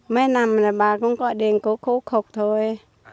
mấy năm bà cũng có điện cứu khổ khục thôi